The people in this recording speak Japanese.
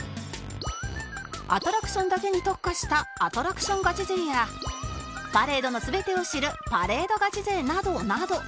アトラクションだけに特化したアトラクションガチ勢やパレードの全てを知るパレードガチ勢などなど